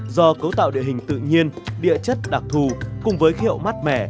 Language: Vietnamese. do cấu tạo địa hình tự nhiên địa chất đặc thù cùng với hiệu mát mẻ